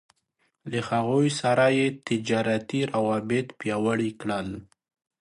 له هغوی سره يې تجارتي روابط پياوړي کړل.